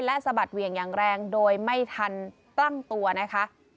และสะบัดเหวี่ยงอย่างแรงโดยไม่ทันตั้งตัวนะคะ